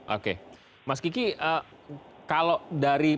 oke mas kiki kalau dari